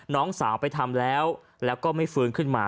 น้องสาวไปทำแล้วแล้วก็ไม่ฟื้นขึ้นมา